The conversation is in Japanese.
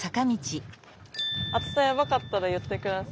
暑さやばかったら言って下さい。